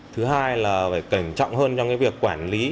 thứ hai là phải cẩn trọng hơn trong cái việc quản lý